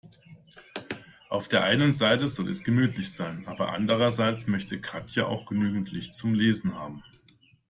Auf der einen Seite soll es gemütlich sein, aber andererseits möchte Katja auch genügend Licht zum Lesen haben.